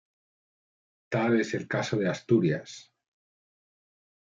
Tal es el caso de Asturias.